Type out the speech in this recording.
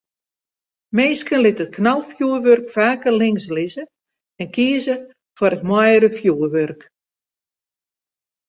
Minsken litte it knalfjoerwurk faker links lizze en kieze foar it moaiere fjoerwurk.